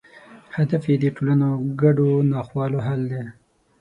هدف یې د ټولنو ګډو ناخوالو حل دی.